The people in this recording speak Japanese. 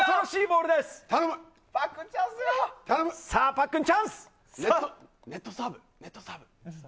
パックン、チャンスだよ！